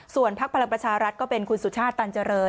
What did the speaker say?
ส่วนพักพลังประชารัฐก็เป็นคุณสุชาติตันเจริญ